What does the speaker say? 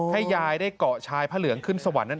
ให้ยายได้เกาะชายพระเหลืองขึ้นสวรรค์นั่นเอง